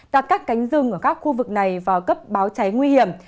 đặt các cánh rừng ở các khu vực này vào cấp báo cháy nguy hiểm